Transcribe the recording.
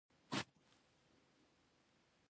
هر لیکوال باید د کتاب په ليکلو کي د دقت څخه کار واخلي.